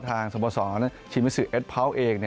ทางสมสรรค์ชิมิสุเอ็ดพร้าวเอง